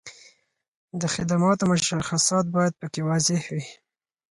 د خدماتو مشخصات باید په کې واضح وي.